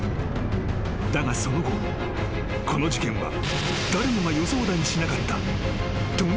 ［だがその後この事件は誰もが予想だにしなかった］